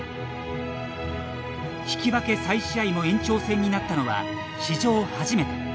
引き分け再試合も延長戦になったのは史上初めて。